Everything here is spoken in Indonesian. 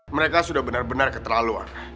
mereka sudah benar benar keterlaluan